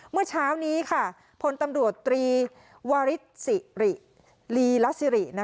เมื่อเช้านี้ค่ะพลตำรวจตรีวาริสสิริลีลสิริ